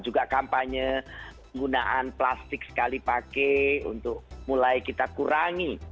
juga kampanye gunaan plastik sekali pakai untuk mulai kita kurangi